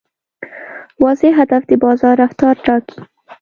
واضح هدف د بازار رفتار ټاکي.